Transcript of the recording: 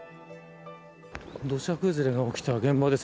土砂崩れが起きた現場です。